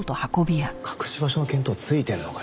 隠し場所の見当はついてるのかよ？